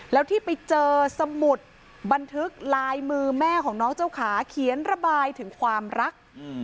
แล้วที่ไปเจอสมุดบันทึกลายมือแม่ของน้องเจ้าขาเขียนระบายถึงความรัก